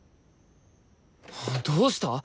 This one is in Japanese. どうした？